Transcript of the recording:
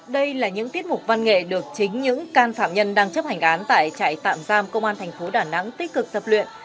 đây là những tiết mục văn nghệ được chính những can phạm nhân đang chấp hành án tại trại tạm giam công an thành phố đà nẵng tích cực tập luyện